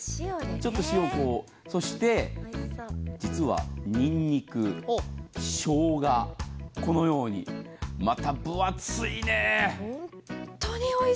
塩をこうそして、にんにく、しょうが、このように、また分厚いね。